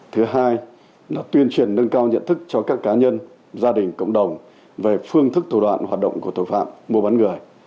thứ hai là tuyên truyền nâng cao nhận thức cho các cá nhân gia đình cộng đồng về phương thức thủ đoạn hoạt động của tội phạm mua bán người